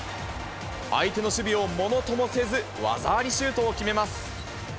相手の守備をものともせず、技ありシュートを決めます。